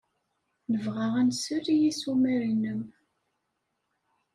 Nebɣa ad nsel i yissumar-nnem.